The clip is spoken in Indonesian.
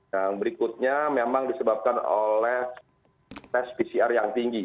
yang berikutnya memang disebabkan oleh tes pcr yang tinggi